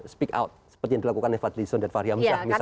speak out seperti yang dilakukan oleh fadlizon dan fahri hamzah misalnya